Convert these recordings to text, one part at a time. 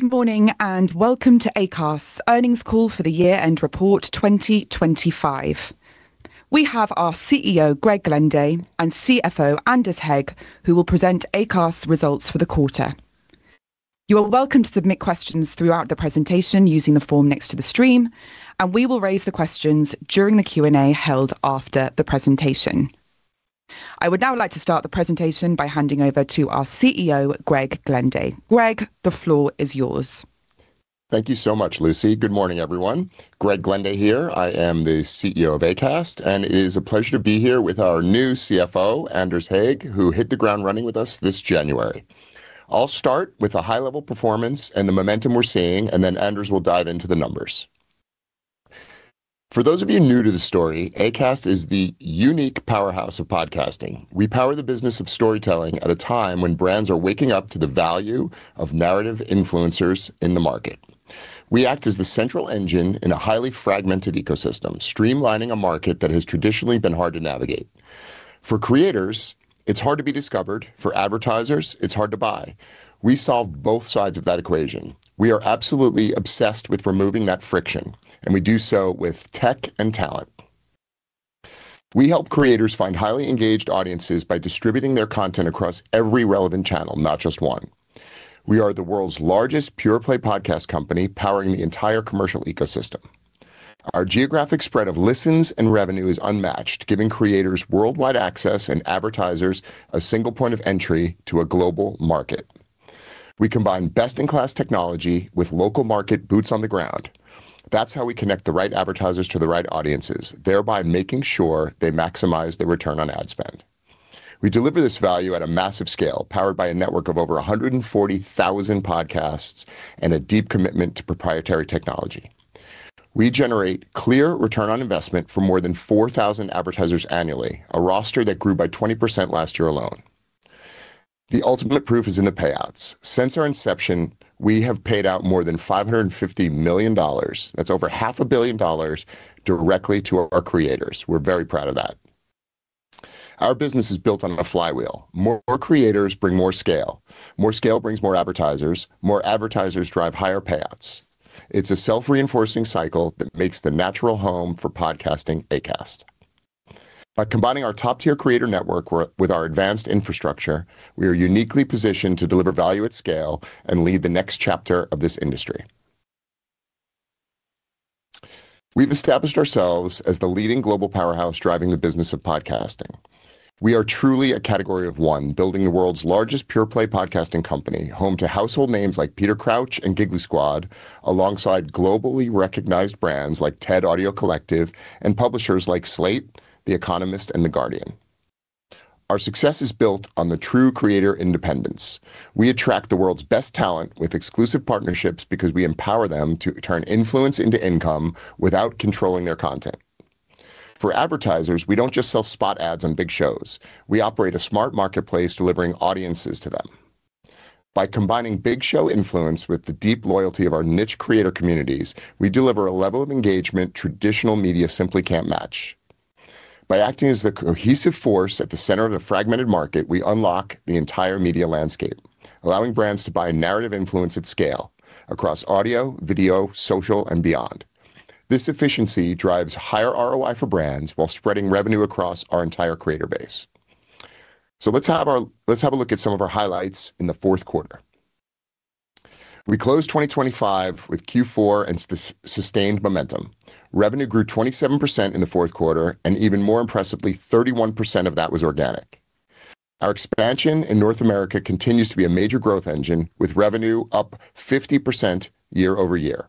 Good morning, and welcome to Acast's earnings call for the year-end report 2025. We have our CEO, Greg Glenday, and CFO, Anders Hägg, who will present Acast's results for the quarter. You are welcome to submit questions throughout the presentation using the form next to the stream, and we will raise the questions during the Q&A held after the presentation. I would now like to start the presentation by handing over to our CEO, Greg Glenday. Greg, the floor is yours. Thank you so much, Lucy. Good morning, everyone. Greg Glenday here. I am the CEO of Acast, and it is a pleasure to be here with our new CFO, Anders Hägg, who hit the ground running with us this January. I'll start with a high-level performance and the momentum we're seeing, and then Anders will dive into the numbers. For those of you new to the story, Acast is the unique powerhouse of podcasting. We power the business of storytelling at a time when brands are waking up to the value of narrative influencers in the market. We act as the central engine in a highly fragmented ecosystem, streamlining a market that has traditionally been hard to navigate. For creators, it's hard to be discovered. For advertisers, it's hard to buy. We solve both sides of that equation. We are absolutely obsessed with removing that friction, and we do so with tech and talent. We help creators find highly engaged audiences by distributing their content across every relevant channel, not just one. We are the world's largest pure-play podcast company, powering the entire commercial ecosystem. Our geographic spread of listens and revenue is unmatched, giving creators worldwide access and advertisers a single point of entry to a global market. We combine best-in-class technology with local market boots on the ground. That's how we connect the right advertisers to the right audiences, thereby making sure they maximize their return on ad spend. We deliver this value at a massive scale, powered by a network of over 140,000 podcasts and a deep commitment to proprietary technology. We generate clear return on investment for more than 4,000 advertisers annually, a roster that grew by 20% last year alone. The ultimate proof is in the payouts. Since our inception, we have paid out more than $550 million, that's over $500 million, directly to our creators. We're very proud of that. Our business is built on a flywheel. More creators bring more scale. More scale brings more advertisers. More advertisers drive higher payouts. It's a self-reinforcing cycle that makes the natural home for podcasting, Acast. By combining our top-tier creator network with our advanced infrastructure, we are uniquely positioned to deliver value at scale and lead the next chapter of this industry. We've established ourselves as the leading global powerhouse driving the business of podcasting. We are truly a category of one, building the world's largest pure-play podcasting company, home to household names like Peter Crouch and Giggle Squad, alongside globally recognized brands like TED Audio Collective and publishers like Slate, The Economist, and The Guardian. Our success is built on the true creator independence. We attract the world's best talent with exclusive partnerships because we empower them to turn influence into income without controlling their content. For advertisers, we don't just sell spot ads on big shows. We operate a smart marketplace, delivering audiences to them. By combining big show influence with the deep loyalty of our niche creator communities, we deliver a level of engagement traditional media simply can't match. By acting as the cohesive force at the center of the fragmented market, we unlock the entire media landscape, allowing brands to buy narrative influence at scale across audio, video, social, and beyond. This efficiency drives higher ROI for brands while spreading revenue across our entire creator base. So let's have a look at some of our highlights in the fourth quarter. We closed 2025 with Q4 and sustained momentum. Revenue grew 27% in the fourth quarter, and even more impressively, 31% of that was organic. Our expansion in North America continues to be a major growth engine, with revenue up 50% year over year.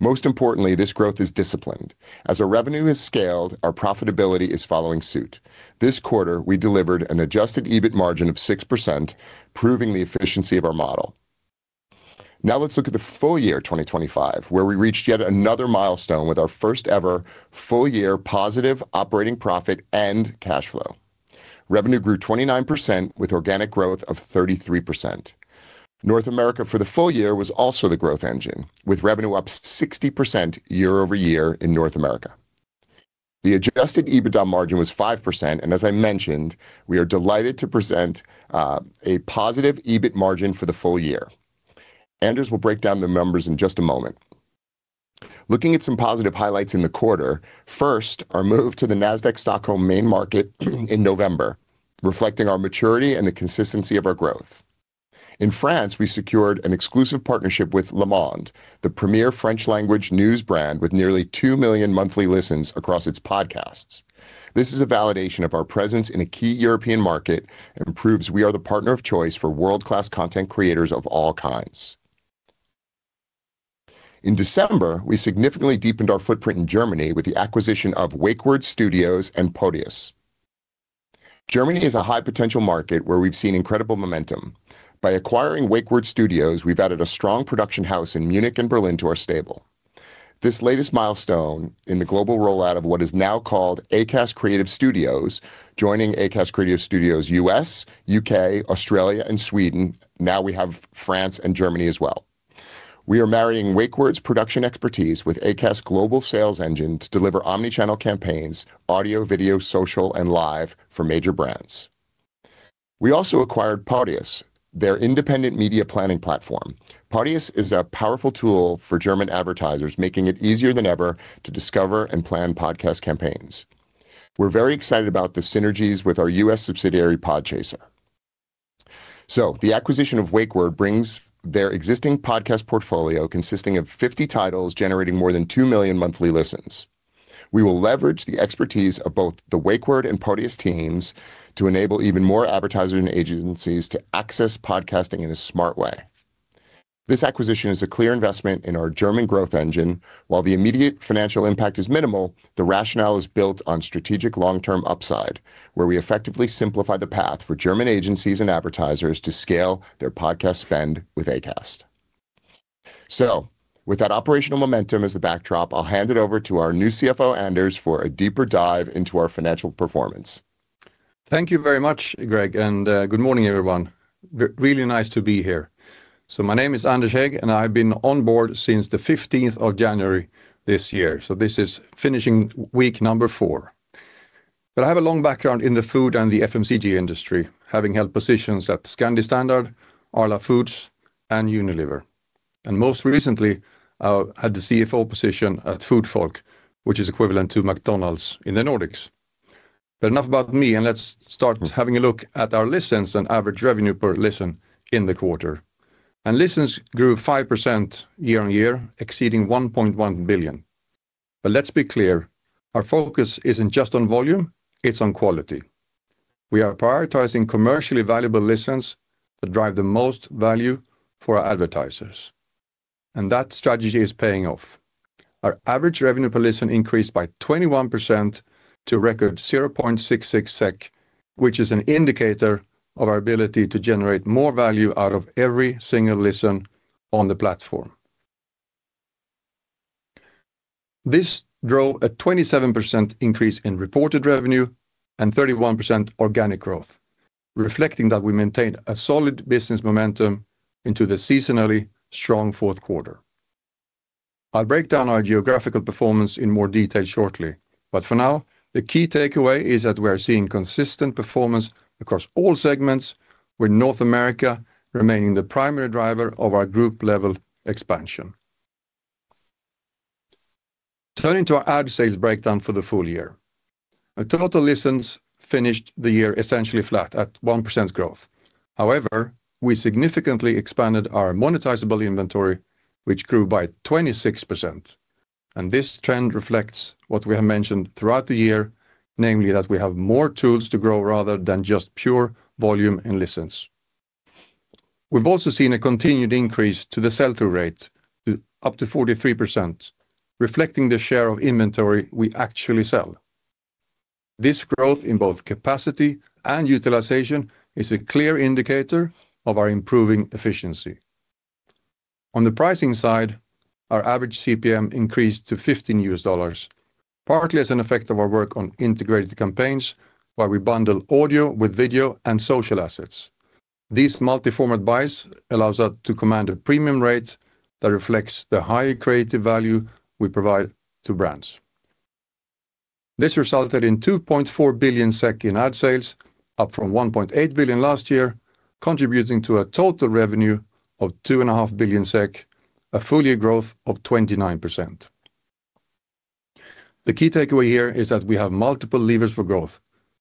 Most importantly, this growth is disciplined. As our revenue has scaled, our profitability is following suit. This quarter, we delivered an adjusted EBIT margin of 6%, proving the efficiency of our model. Now, let's look at the full year 2025, where we reached yet another milestone with our first-ever full-year positive operating profit and cash flow. Revenue grew 29% with organic growth of 33%. North America for the full year was also the growth engine, with revenue up 60% year-over-year in North America. The Adjusted EBITDA margin was 5%, and as I mentioned, we are delighted to present a positive EBIT margin for the full year. Anders will break down the numbers in just a moment. Looking at some positive highlights in the quarter, first, our move to the Nasdaq Stockholm main market in November, reflecting our maturity and the consistency of our growth. In France, we secured an exclusive partnership with Le Monde, the premier French language news brand, with nearly 2 million monthly listens across its podcasts. This is a validation of our presence in a key European market and proves we are the partner of choice for world-class content creators of all kinds. In December, we significantly deepened our footprint in Germany with the acquisition of Wake Word and Podius. Germany is a high-potential market where we've seen incredible momentum. By acquiring Wake Word, we've added a strong production house in Munich and Berlin to our stable. This latest milestone in the global rollout of what is now called Acast Creative Studios, joining Acast Creative Studios, U.S., U.K., Australia, and Sweden. Now we have France and Germany as well. We are marrying Wake Word's production expertise with Acast's global sales engine to deliver omnichannel campaigns, audio, video, social, and live for major brands... We also acquired Podius, their independent media planning platform. Podius is a powerful tool for German advertisers, making it easier than ever to discover and plan podcast campaigns. We're very excited about the synergies with our U.S. subsidiary, Podchaser. The acquisition of Wake Word brings their existing podcast portfolio, consisting of 50 titles, generating more than 2 million monthly listens. We will leverage the expertise of both the Wake Word and Podius teams to enable even more advertisers and agencies to access podcasting in a smart way. This acquisition is a clear investment in our German growth engine. While the immediate financial impact is minimal, the rationale is built on strategic long-term upside, where we effectively simplify the path for German agencies and advertisers to scale their podcast spend with Acast. So with that operational momentum as the backdrop, I'll hand it over to our new CFO, Anders Hägg, for a deeper dive into our financial performance. Thank you very much, Greg, and good morning, everyone. Really nice to be here. So my name is Anders Hägg, and I've been on board since the fifteenth of January this year, so this is finishing week number four. But I have a long background in the food and the FMCG industry, having held positions at Scandi Standard, Arla Foods, and Unilever, and most recently, I've had the CFO position at Food olk, which is equivalent to McDonald's in the Nordics. But enough about me, and let's start having a look at our listens and average revenue per listen in the quarter. And listens grew 5% year-on-year, exceeding 1.1 billion. But let's be clear, our focus isn't just on volume, it's on quality. We are prioritizing commercially valuable listens that drive the most value for our advertisers, and that strategy is paying off. Our average revenue per listen increased by 21% to a record 0.66 SEK, which is an indicator of our ability to generate more value out of every single listen on the platform. This drove a 27% increase in reported revenue and 31% organic growth, reflecting that we maintained a solid business momentum into the seasonally strong fourth quarter. I'll break down our geographical performance in more detail shortly, but for now, the key takeaway is that we are seeing consistent performance across all segments, with North America remaining the primary driver of our group-level expansion. Turning to our ad sales breakdown for the full year. Our total listens finished the year essentially flat at 1% growth. However, we significantly expanded our monetizable inventory, which grew by 26%, and this trend reflects what we have mentioned throughout the year, namely, that we have more tools to grow rather than just pure volume and listens. We've also seen a continued increase to the sell-through rate to up to 43%, reflecting the share of inventory we actually sell. This growth in both capacity and utilization is a clear indicator of our improving efficiency. On the pricing side, our average CPM increased to $15, partly as an effect of our work on integrated campaigns, where we bundle audio with video and social assets. These multiformat buys allows us to command a premium rate that reflects the high creative value we provide to brands. This resulted in 2.4 billion SEK in ad sales, up from 1.8 billion last year, contributing to a total revenue of 2.5 billion SEK, a full year growth of 29%. The key takeaway here is that we have multiple levers for growth.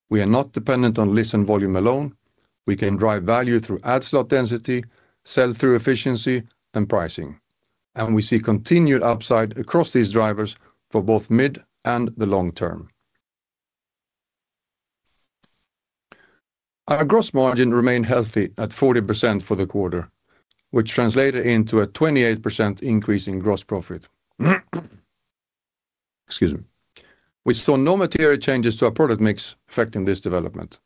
We are not dependent on listen volume alone. We can drive value through ad slot density, sell-through efficiency, and pricing, and we see continued upside across these drivers for both mid and the long term. Our gross margin remained healthy at 40% for the quarter, which translated into a 28% increase in gross profit. Excuse me. We saw no material changes to our product mix affecting this development,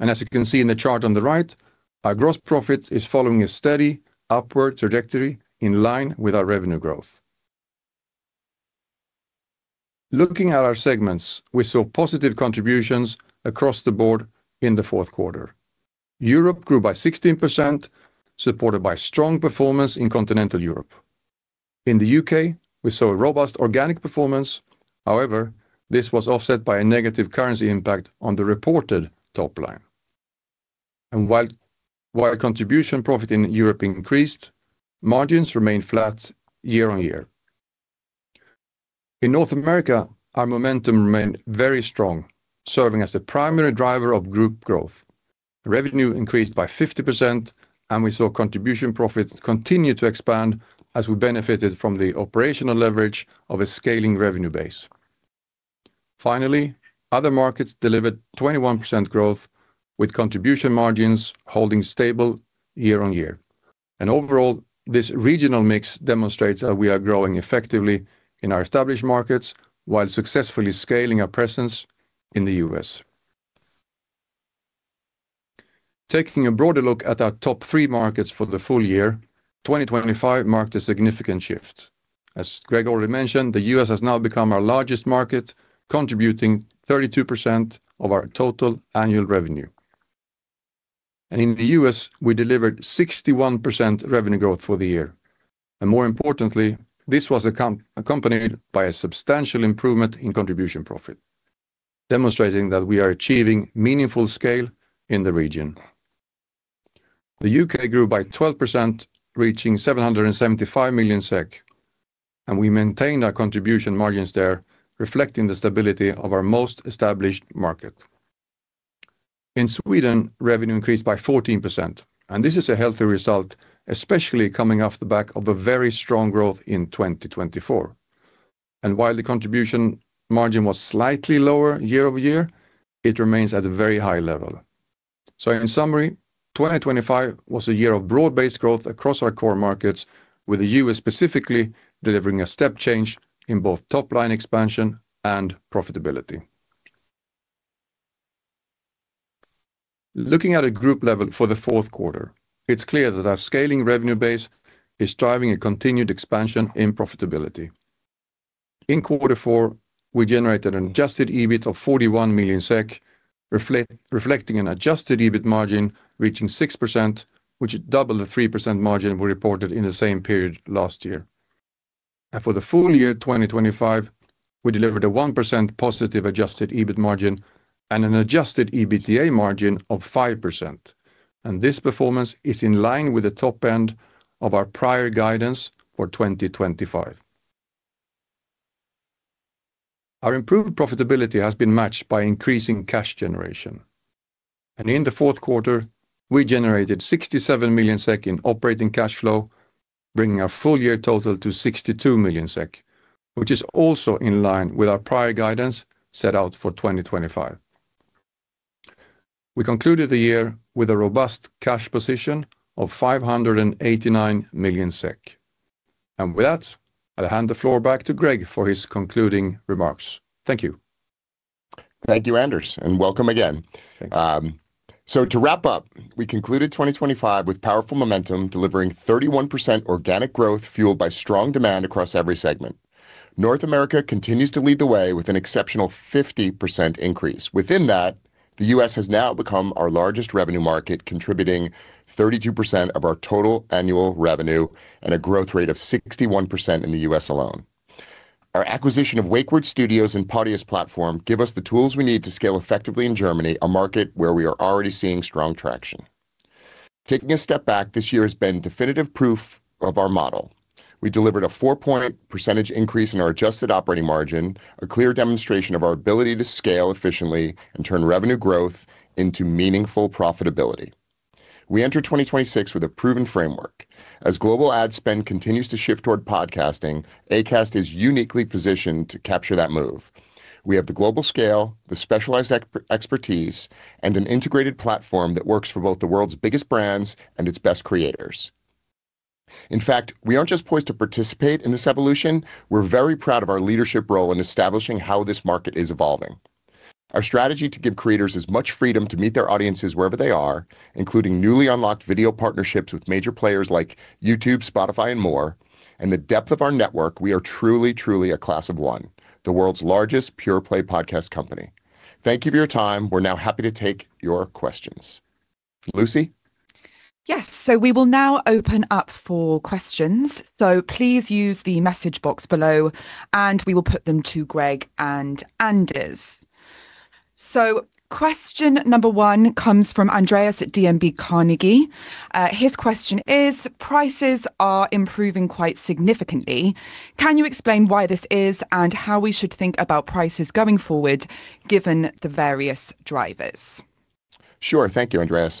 and as you can see in the chart on the right, our gross profit is following a steady upward trajectory in line with our revenue growth. Looking at our segments, we saw positive contributions across the board in the fourth quarter. Europe grew by 16%, supported by strong performance in continental Europe. In the UK, we saw a robust organic performance. However, this was offset by a negative currency impact on the reported top line. And while contribution profit in Europe increased, margins remained flat year-over-year. In North America, our momentum remained very strong, serving as the primary driver of group growth. Revenue increased by 50%, and we saw contribution profit continue to expand as we benefited from the operational leverage of a scaling revenue base. Finally, other markets delivered 21% growth, with contribution margins holding stable year-over-year. And overall, this regional mix demonstrates that we are growing effectively in our established markets while successfully scaling our presence in the US. Taking a broader look at our top three markets for the full year, 2025 marked a significant shift. As Greg already mentioned, the U.S. has now become our largest market, contributing 32% of our total annual revenue, and in the U.S., we delivered 61% revenue growth for the year, and more importantly, this was accompanied by a substantial improvement in contribution profit demonstrating that we are achieving meaningful scale in the region. The U.K. grew by 12%, reaching 775 million SEK, and we maintained our contribution margins there, reflecting the stability of our most established market. In Sweden, revenue increased by 14%, and this is a healthy result, especially coming off the back of a very strong growth in 2024. And while the contribution margin was slightly lower year over year, it remains at a very high level. So in summary, 2025 was a year of broad-based growth across our core markets, with the U.S. specifically delivering a step change in both top-line expansion and profitability. Looking at a group level for the fourth quarter, it's clear that our scaling revenue base is driving a continued expansion in profitability. In quarter four, we generated an adjusted EBIT of 41 million SEK, reflecting an adjusted EBIT margin reaching 6%, which is double the 3% margin we reported in the same period last year. And for the full year 2025, we delivered a 1% positive adjusted EBIT margin and an adjusted EBITDA margin of 5%, and this performance is in line with the top end of our prior guidance for 2025. Our improved profitability has been matched by increasing cash generation, and in the fourth quarter, we generated 67 million SEK in operating cash flow, bringing our full year total to 62 million SEK, which is also in line with our prior guidance set out for 2025. We concluded the year with a robust cash position of 589 million SEK. With that, I'll hand the floor back to Greg for his concluding remarks. Thank you. Thank you, Anders, and welcome again. Thank you. So to wrap up, we concluded 2025 with powerful momentum, delivering 31% organic growth, fueled by strong demand across every segment. North America continues to lead the way with an exceptional 50% increase. Within that, the U.S. has now become our largest revenue market, contributing 32% of our total annual revenue and a growth rate of 61% in the U.S. alone. Our acquisition of Wake Word Studios and Podius Platform give us the tools we need to scale effectively in Germany, a market where we are already seeing strong traction. Taking a step back, this year has been definitive proof of our model. We delivered a 4 percentage point increase in our adjusted operating margin, a clear demonstration of our ability to scale efficiently and turn revenue growth into meaningful profitability. We enter 2026 with a proven framework. As global ad spend continues to shift toward podcasting, Acast is uniquely positioned to capture that move. We have the global scale, the specialized expertise, and an integrated platform that works for both the world's biggest brands and its best creators. In fact, we aren't just poised to participate in this evolution, we're very proud of our leadership role in establishing how this market is evolving. Our strategy to give creators as much freedom to meet their audiences wherever they are, including newly unlocked video partnerships with major players like YouTube, Spotify, and more, and the depth of our network, we are truly, truly a class of one, the world's largest pure-play podcast company. Thank you for your time. We're now happy to take your questions. Lucy? Yes. So we will now open up for questions. So please use the message box below, and we will put them to Greg and Anders. So question number one comes from Andreas at DNB Carnegie. His question is: Prices are improving quite significantly. Can you explain why this is and how we should think about prices going forward, given the various drivers? Sure. Thank you, Andreas.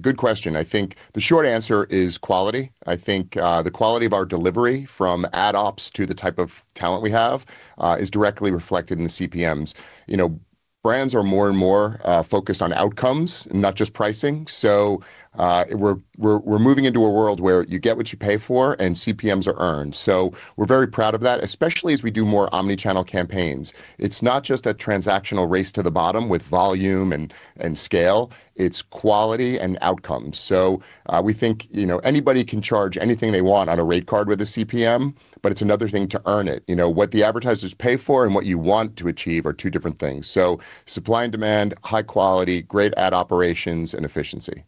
Good question. I think the short answer is quality. I think the quality of our delivery, from Ad Ops to the type of talent we have, is directly reflected in the CPMs. You know, brands are more and more focused on outcomes, not just pricing. So we're moving into a world where you get what you pay for, and CPMs are earned. So we're very proud of that, especially as we do more omnichannel campaigns. It's not just a transactional race to the bottom with volume and scale, it's quality and outcomes. So we think, you know, anybody can charge anything they want on a rate card with a CPM, but it's another thing to earn it. You know, what the advertisers pay for and what you want to achieve are two different things. Supply and demand, high quality, great ad operations, and efficiency.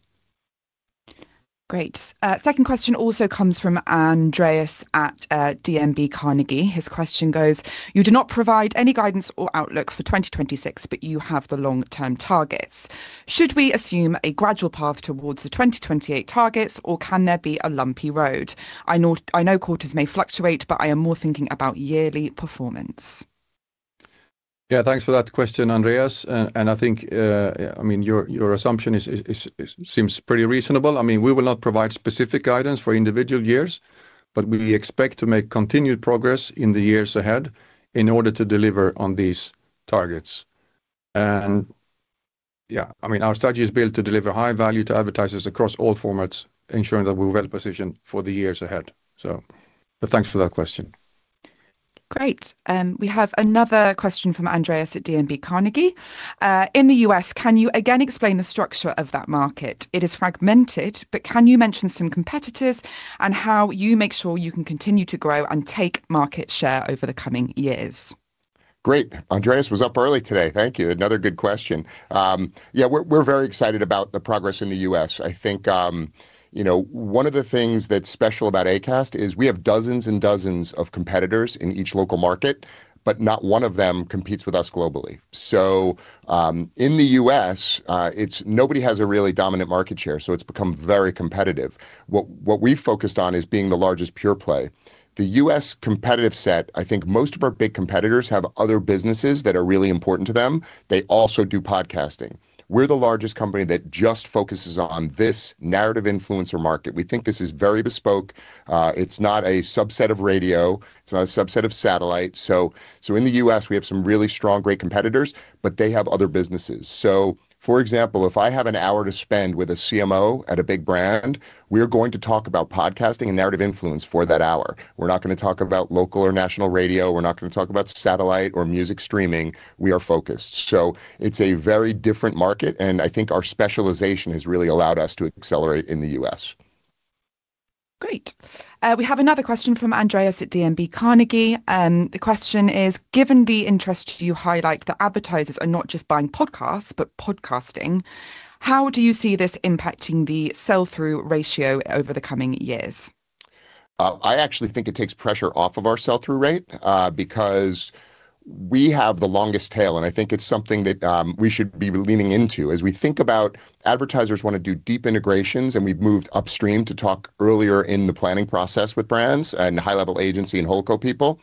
Great. Second question also comes from Andreas at DNB Carnegie. His question goes: You do not provide any guidance or outlook for 2026, but you have the long-term targets. Should we assume a gradual path towards the 2028 targets, or can there be a lumpy road? I know, I know quarters may fluctuate, but I am more thinking about yearly performance. Yeah, thanks for that question, Andreas. And I think, yeah, I mean, your assumption seems pretty reasonable. I mean, we will not provide specific guidance for individual years, but we expect to make continued progress in the years ahead in order to deliver on these targets. And yeah, I mean, our strategy is built to deliver high value to advertisers across all formats, ensuring that we're well-positioned for the years ahead. But thanks for that question. Great. We have another question from Andreas at DNB Carnegie. In the U.S., can you again explain the structure of that market? It is fragmented, but can you mention some competitors and how you make sure you can continue to grow and take market share over the coming years?... Great! Andreas was up early today. Thank you. Another good question. Yeah, we're very excited about the progress in the U.S. I think, you know, one of the things that's special about Acast is we have dozens and dozens of competitors in each local market, but not one of them competes with us globally. So, in the U.S., it's- nobody has a really dominant market share, so it's become very competitive. What we've focused on is being the largest pure play. The U.S. competitive set, I think most of our big competitors have other businesses that are really important to them. They also do podcasting. We're the largest company that just focuses on this narrative influencer market. We think this is very bespoke. It's not a subset of radio, it's not a subset of satellite. So in the US, we have some really strong, great competitors, but they have other businesses. So, for example, if I have an hour to spend with a CMO at a big brand, we're going to talk about podcasting and narrative influence for that hour. We're not gonna talk about local or national radio. We're not gonna talk about satellite or music streaming. We are focused. So it's a very different market, and I think our specialization has really allowed us to accelerate in the US. Great. We have another question from Andreas at DNB Carnegie, and the question is: Given the interest you highlight, the advertisers are not just buying podcasts but podcasting, how do you see this impacting the sell-through ratio over the coming years? I actually think it takes pressure off of our sell-through rate, because we have the longest tail, and I think it's something that we should be leaning into. As we think about advertisers wanna do deep integrations, and we've moved upstream to talk earlier in the planning process with brands and high-level agency and holdco people.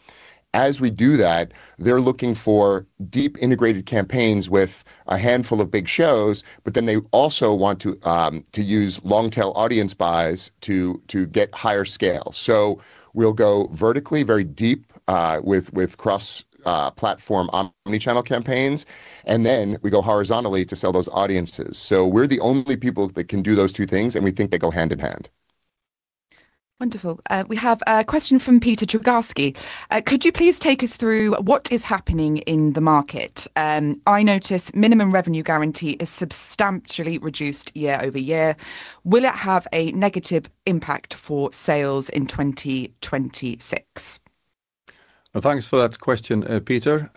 As we do that, they're looking for deep, integrated campaigns with a handful of big shows, but then they also want to use long-tail audience buys to get higher scale. So we'll go vertically, very deep, with cross-platform, omnichannel campaigns, and then we go horizontally to sell those audiences. So we're the only people that can do those two things, and we think they go hand in hand. Wonderful. We have a question from Petter Trägårdh. Could you please take us through what is happening in the market? I notice minimum revenue guarantee is substantially reduced year-over-year. Will it have a negative impact for sales in 2026? Well, thanks for that question, Petter.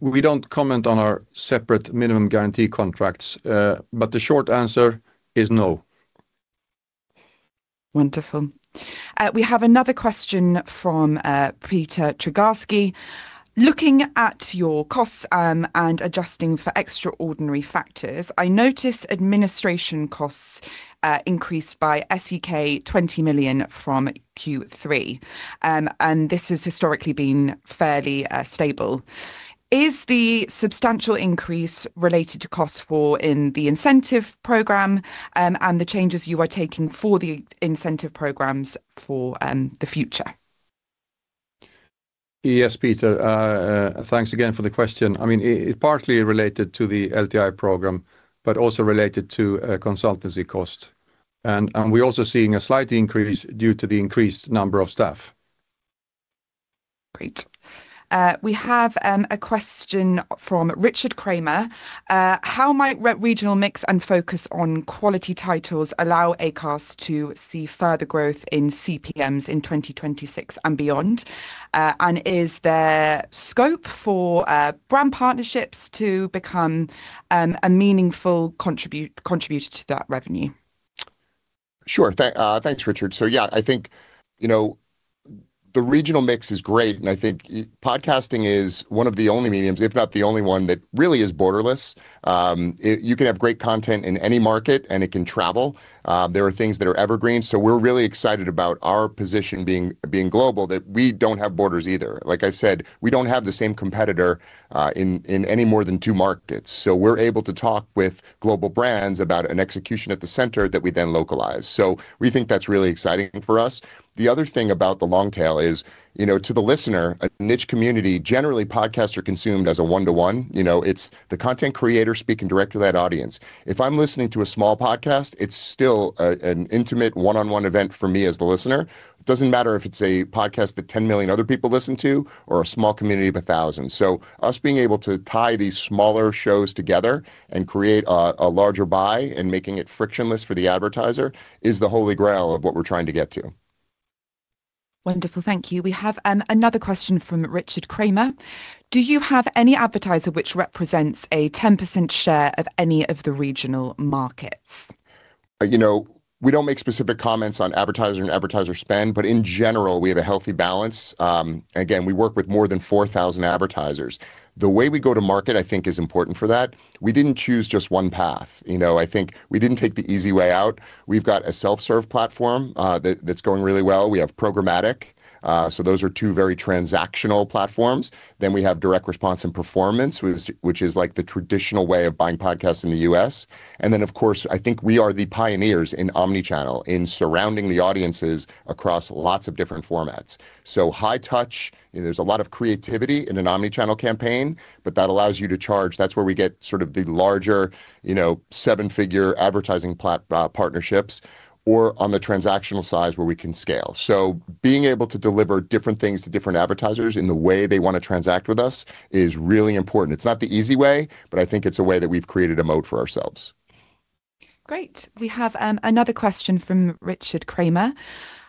We don't comment on our separate minimum guarantee contracts, but the short answer is no. Wonderful. We have another question from Petter Trägårdh: Looking at your costs, and adjusting for extraordinary factors, I notice administration costs increased by SEK 20 million from Q3. This has historically been fairly stable. Is the substantial increase related to costs for in the incentive program, and the changes you are taking for the incentive programs for the future? Yes, Petter, thanks again for the question. I mean, it partly related to the LTI program, but also related to a consultancy cost. And we're also seeing a slight increase due to the increased number of staff. Great. We have a question from Richard Kramer: How might regional mix and focus on quality titles allow Acast to see further growth in CPMs in 2026 and beyond? And is there scope for brand partnerships to become a meaningful contribution to that revenue? Sure. Thanks, Richard. So yeah, I think, you know, the regional mix is great, and I think podcasting is one of the only mediums, if not the only one, that really is borderless. It. You can have great content in any market, and it can travel. There are things that are evergreen, so we're really excited about our position being global, that we don't have borders either. Like I said, we don't have the same competitor in any more than two markets, so we're able to talk with global brands about an execution at the center that we then localize. So we think that's really exciting for us. The other thing about the long-tail is, you know, to the listener, a niche community, generally, podcasts are consumed as a one-to-one. You know, it's the content creator speaking direct to that audience. If I'm listening to a small podcast, it's still an intimate one-on-one event for me as the listener. It doesn't matter if it's a podcast that 10 million other people listen to or a small community of 1,000. So us being able to tie these smaller shows together and create a larger buy and making it frictionless for the advertiser is the holy grail of what we're trying to get to. Wonderful. Thank you. We have another question from Richard Kramer: Do you have any advertiser which represents a 10% share of any of the regional markets? You know, we don't make specific comments on advertiser and advertiser spend, but in general, we have a healthy balance. Again, we work with more than 4,000 advertisers. The way we go to market, I think, is important for that. We didn't choose just one path. You know, I think we didn't take the easy way out. We've got a self-serve platform that that's going really well. We have programmatic, so those are two very transactional platforms. Then we have direct response and performance, which is like the traditional way of buying podcasts in the U.S. And then, of course, I think we are the pioneers in omnichannel, in surrounding the audiences across lots of different formats. So high touch, there's a lot of creativity in an omnichannel campaign, but that allows you to charge. That's where we get sort of the larger, you know, seven-figure advertising platform partnerships or on the transactional side, where we can scale. So being able to deliver different things to different advertisers in the way they wanna transact with us is really important. It's not the easy way, but I think it's a way that we've created a moat for ourselves.... Great! We have another question from Richard Kramer: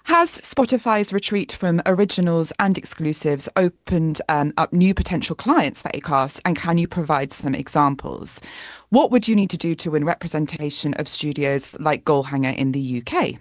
Has Spotify's retreat from originals and exclusives opened up new potential clients for Acast, and can you provide some examples? What would you need to do to win representation of studios like Goalhanger in the U.K.?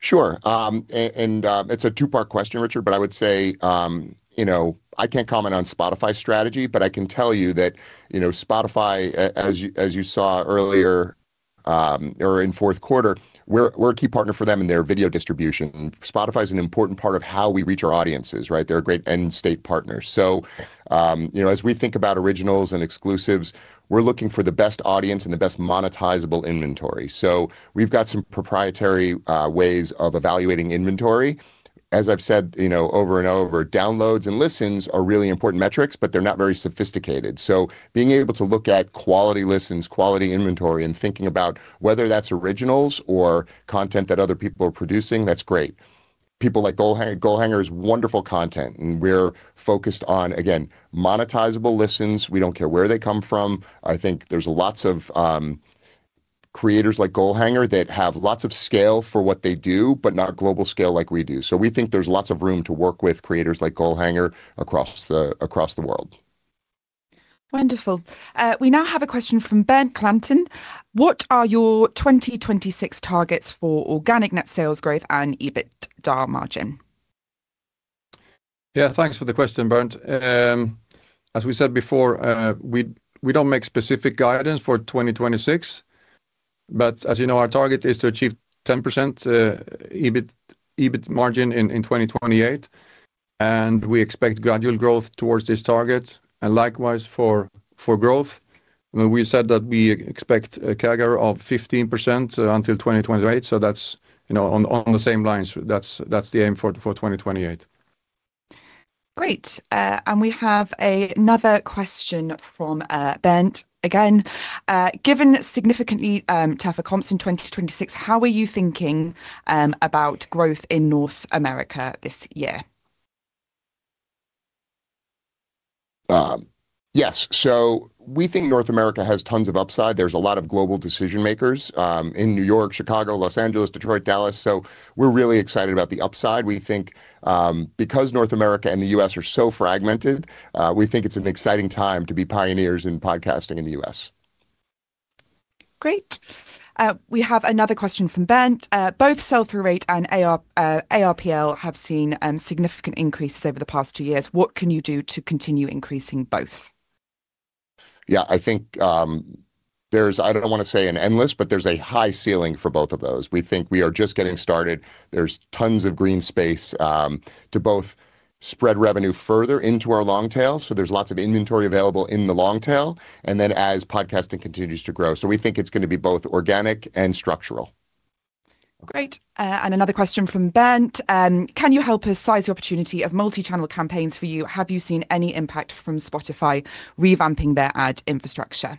Sure. And, it's a two-part question, Richard, but I would say, you know, I can't comment on Spotify's strategy, but I can tell you that, you know, Spotify, as you saw earlier, or in fourth quarter, we're a key partner for them in their video distribution. Spotify is an important part of how we reach our audiences, right? They're a great end-state partner. So, you know, as we think about originals and exclusives, we're looking for the best audience and the best monetizable inventory. So we've got some proprietary ways of evaluating inventory. As I've said, you know, over and over, downloads and listens are really important metrics, but they're not very sophisticated. So being able to look at quality listens, quality inventory, and thinking about whether that's originals or content that other people are producing, that's great. People like Goalhanger, Goalhanger is wonderful content, and we're focused on, again, monetizable listens. We don't care where they come from. I think there's lots of creators like Goalhanger that have lots of scale for what they do, but not global scale like we do. So we think there's lots of room to work with creators like Goalhanger across the world. Wonderful. We now have a question from Bernd Klanten: What are your 2026 targets for organic net sales growth and EBITDA margin? Yeah, thanks for the question, Bernd. As we said before, we don't make specific guidance for 2026, but as you know, our target is to achieve 10% EBITDA margin in 2028, and we expect gradual growth towards this target and likewise for growth. We said that we expect a CAGR of 15% until 2028, so that's, you know, on the same lines. That's the aim for 2028. Great. We have another question from Bernd again. Given significantly tougher comps in 2026, how are you thinking about growth in North America this year? Yes. So we think North America has tons of upside. There's a lot of global decision-makers in New York, Chicago, Los Angeles, Detroit, Dallas, so we're really excited about the upside. We think, because North America and the US are so fragmented, we think it's an exciting time to be pioneers in podcasting in the US. Great. We have another question from Bernd. Both sell-through rate and ARPL have seen significant increases over the past two years. What can you do to continue increasing both? Yeah, I think, there's... I don't wanna say an endless, but there's a high ceiling for both of those. We think we are just getting started. There's tons of green space, to both spread revenue further into our long tail, so there's lots of inventory available in the long tail, and then as podcasting continues to grow. So we think it's gonna be both organic and structural. Great. Another question from Bernd: Can you help us size the opportunity of multi-channel campaigns for you? Have you seen any impact from Spotify revamping their ad infrastructure?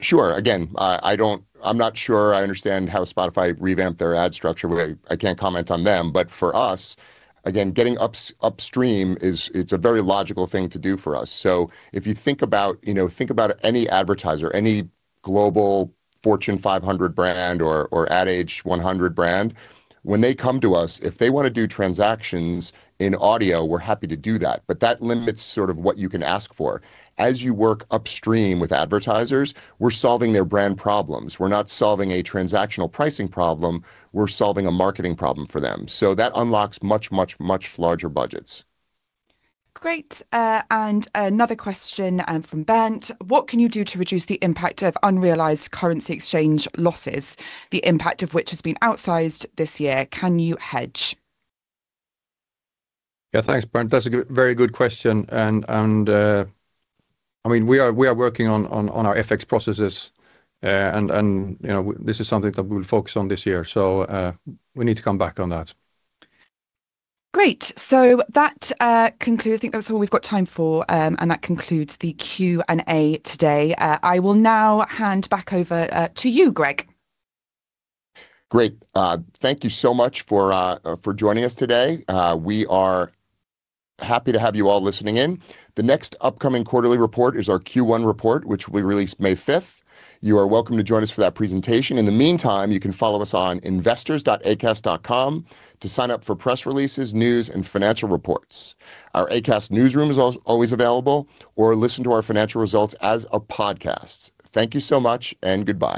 Sure. Again, I don't—I'm not sure I understand how Spotify revamped their ad structure, but I can't comment on them. But for us, again, getting upstream is... it's a very logical thing to do for us. So if you think about, you know, think about any advertiser, any global Fortune 500 brand or Ad Age 100 brand, when they come to us, if they wanna do transactions in audio, we're happy to do that, but that limits sort of what you can ask for. As you work upstream with advertisers, we're solving their brand problems. We're not solving a transactional pricing problem. We're solving a marketing problem for them. So that unlocks much, much, much larger budgets. Great. And another question, from Bernd: What can you do to reduce the impact of unrealized currency exchange losses, the impact of which has been outsized this year? Can you hedge? Yeah, thanks, Bernd. That's a good, very good question, and I mean, we are working on our FX processes, and you know, this is something that we'll focus on this year, so we need to come back on that. Great. So that concludes... I think that's all we've got time for, and that concludes the Q&A today. I will now hand back over to you, Greg. Great. Thank you so much for joining us today. We are happy to have you all listening in. The next upcoming quarterly report is our Q1 report, which we release May 5. You are welcome to join us for that presentation. In the meantime, you can follow us on investors.acast.com to sign up for press releases, news, and financial reports. Our Acast newsroom is always available, or listen to our financial results as a podcast. Thank you so much, and goodbye.